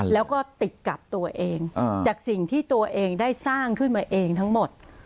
แล้วก็ติดกับตัวเองจากสิ่งที่ตัวเองได้สร้างขึ้นมาเองทั้งหมด